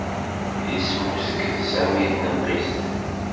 Yesmuzget Sami i tneqqist.